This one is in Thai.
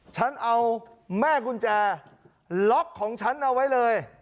ฉันเอาแม่กุญแจล็อกของฉันเอาไว้เลย